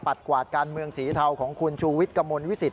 กวาดการเมืองสีเทาของคุณชูวิทย์กระมวลวิสิต